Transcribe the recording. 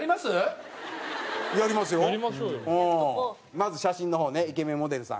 まず写真の方ねイケメンモデルさん